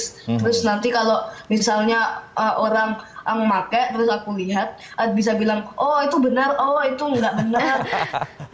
terus nanti kalau misalnya orang pakai terus aku lihat bisa bilang oh itu benar oh itu nggak benar